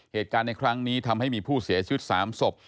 เหตุการณ์ในครั้งนี้ทำให้มีผู้เสียชีวิต๓ศพ